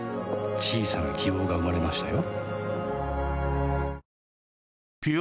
小さな希望が生まれましたよ